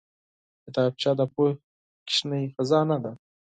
کتابچه د پوهې کوچنۍ خزانه ده